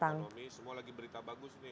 sekarang dengan ekonomi semua lagi berita bagus nih